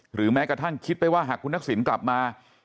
แม้กระทั่งคิดไปว่าหากคุณทักษิณกลับมา